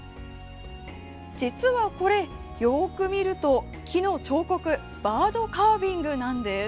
実はこれ、よく見ると木の彫刻バードカービングなんです。